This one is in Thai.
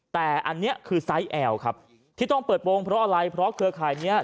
แต่อันนี้คือไซส์แอลครับที่ต้องเปิดวงเพราะอะไรเพราะเครือข่ายเนี้ย